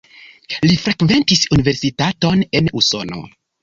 Li frekventis universitaton en Usono.